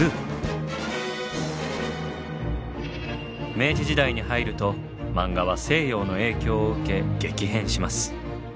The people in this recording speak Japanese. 明治時代に入るとマンガは西洋の影響を受け激変します。